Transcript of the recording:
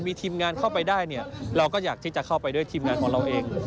มีทีมงานเข้าไปได้เนี่ยเราก็อยากที่จะเข้าไปด้วยทีมงานของเราเอง